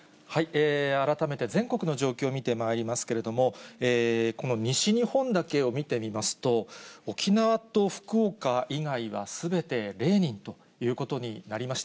改めて全国の状況、見てまいりますけれども、この西日本だけを見てみますと、沖縄と福岡以外はすべて０人ということになりました。